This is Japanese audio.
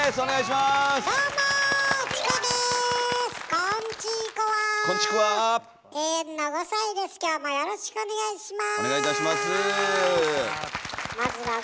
まずはよろしくお願いします。